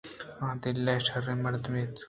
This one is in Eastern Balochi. آ دل ءَ شرّیں مردمے اَت